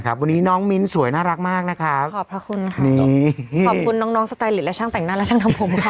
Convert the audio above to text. ขอบพระคุณค่ะขอบคุณน้องสไตลิตและช่างแต่งหน้าและช่างน้ำผมค่ะ